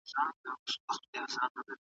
نننی ځوان بايد په منطق پسې وګرځي.